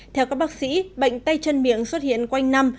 theo các bác sĩ bệnh tay chân miệng xuất hiện quanh năm